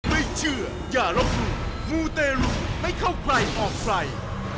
ไม่เชื่ออย่าลบหลู่มูเตรุไม่เข้าใครออกใคร